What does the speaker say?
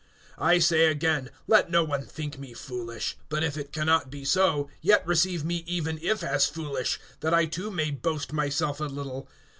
(16)I say again, let no one think me foolish; but if it can not be so, yet receive me even if as foolish, that I too may boast myself a little.